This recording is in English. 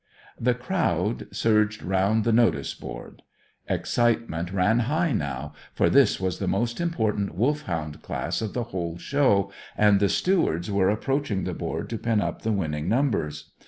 The crowd surged round the notice board. Excitement ran high now, for this was the most important Wolfhound class of the whole show, and the stewards were approaching the board to pin up the winning numbers.